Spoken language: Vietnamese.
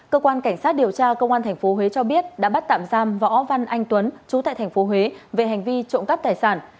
cơ quan cảnh sát điều tra công an tp huế cho biết đã bắt tạm giam võ văn anh tuấn chú tại tp huế về hành vi trộm cắp tài sản